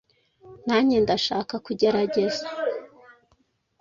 Nanjye ndashaka kugerageza.